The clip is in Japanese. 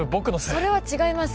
それは違います。